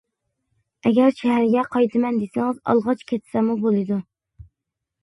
ئەگەر شەھەرگە قايتىمەن دېسىڭىز ئالغاچ كەتسەممۇ بولىدۇ.